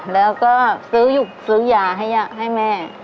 แล้วก็ซื้อยู่ซื้อยาให้แม่